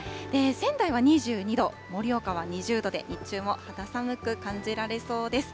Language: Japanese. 仙台は２２度、盛岡は２０度で、日中も肌寒く感じられそうです。